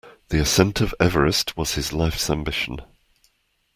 The ascent of Everest was his life's ambition